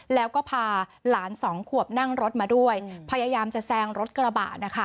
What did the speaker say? แล้วก็พาหลานสองขวบนั่งรถมาด้วยพยายามจะแซงรถกระบะนะคะ